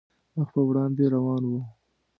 مخ په وړاندې روان وو.